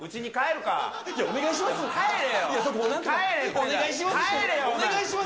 いや、お願いします。